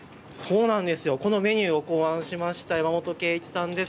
このメニューを考案しました山本圭一さんです。